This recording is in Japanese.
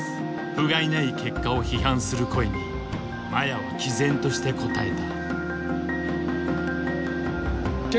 ふがいない結果を批判する声に麻也はきぜんとして答えた。